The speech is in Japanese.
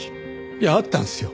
いやあったんですよ。